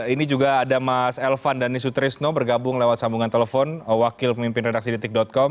ini juga ada mas elvan dhani sutrisno bergabung lewat sambungan telepon wakil pemimpin redaksi detik com